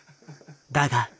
だが。